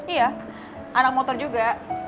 iya anak motor juga